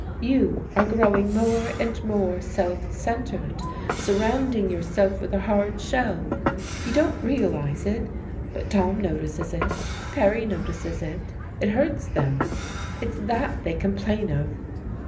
You are growing more and more self centred, surrounding yourself with a hard shell. You don't realize it, but Tom notices it, Perry notices it, it hurts them, it's that they complain of.